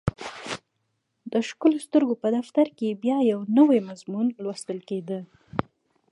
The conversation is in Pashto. د ښکلو سترګو په دفتر کې یې بیا یو نوی مضمون لوستل کېده